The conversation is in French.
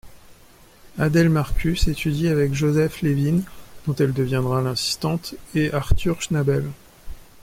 Adele Marcus étudie avec Josef Lhévinne dont elle deviendra l'assistante et Artur Schnabel.